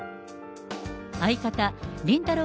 相方、りんたろー。